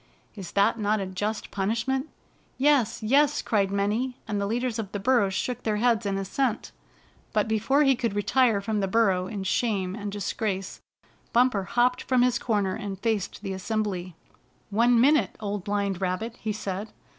Is that not a just punish ment?" "Yes! Yes!" cried many, and the leaders of the burrows shook their heads in assent. But before he could retire from the burrow in shame and disgrace. Bumper hopped from his corner, and faced the assembly. "One minute. Old Blind Rabbit," he said.